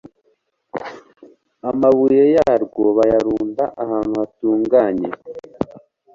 amabuye yarwo bayarunda ahantu hatunganye